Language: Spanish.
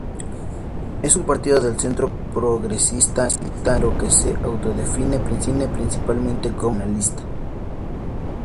Es un partido del centro progresista pero que se autodefine principalmente como nacionalista.